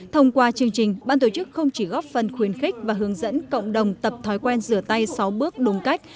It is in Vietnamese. thông qua chương trình ban tổ chức không chỉ góp phần khuyến khích và hướng dẫn cộng đồng tập thói quen rửa tay sáu bước đúng cách